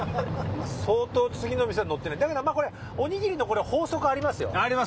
相当次の店はノってないだけどまぁコレ『おにぎり』のコレ法則ありますよ。あります！